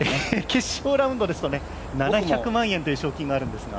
決勝ラウンドですと、７００万円という賞金があるんですが。